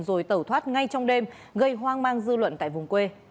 rồi tẩu thoát ngay trong đêm gây hoang mang dư luận tại vùng quê